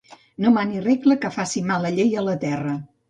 No manis regla que faci mala llei a la terra.